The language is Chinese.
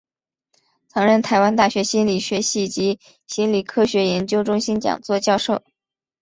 曾任台湾大学心理学系及心理科学研究中心讲座教授。